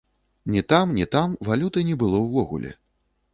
Ні там, ні там валюты не было ўвогуле.